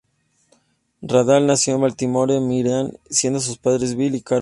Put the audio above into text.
Randall nació en Baltimore, Maryland, siendo sus padres Bill y Carol Randall.